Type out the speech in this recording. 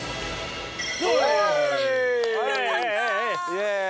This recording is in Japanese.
イエーイ！